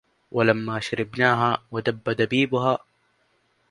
ولما شربناها ودب دبيبها